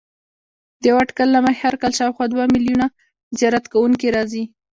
د یوه اټکل له مخې هر کال شاوخوا دوه میلیونه زیارت کوونکي راځي.